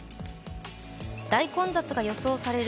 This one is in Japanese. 大混雑が予想される